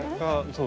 そう。